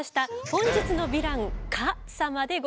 本日のヴィラン蚊様でございます。